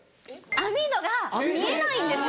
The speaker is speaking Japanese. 網戸が見えないんです。